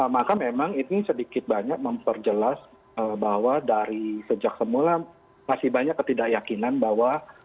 maka memang ini sedikit banyak memperjelas bahwa dari sejak semula masih banyak ketidakyakinan bahwa